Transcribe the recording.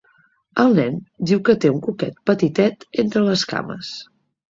El nen diu que té un cuquet petitet entre les cames.